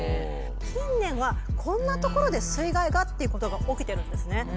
近年はこんな所で水害が？っていうことが起きてるんですね。